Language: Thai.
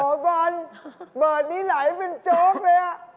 บอลเบิร์ดนี้ไหลเป็นโจ๊กเลยอ่ะ